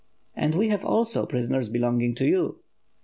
"And we have also prisoners belonging to you!"